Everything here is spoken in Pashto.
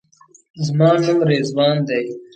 زما نوم رضوان دی.